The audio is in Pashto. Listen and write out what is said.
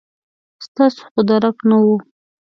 ستاسو خو درک نه و.